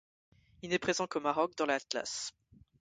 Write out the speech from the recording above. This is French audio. Il n'est présent qu'au Maroc, dans l'Atlas.